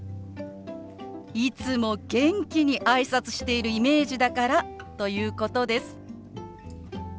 いつも元気に挨拶してるイメージだからということです。